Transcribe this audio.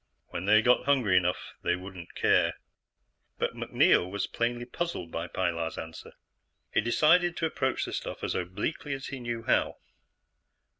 When they got hungry enough, they wouldn't care. But MacNeil was plainly puzzled by Pilar's answer. He decided to approach the stuff as obliquely as he knew how.